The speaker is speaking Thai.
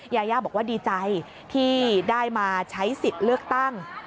ยาย่าบอกว่าดีใจที่ได้มาใช้สิทธิ์เลือกตั้ง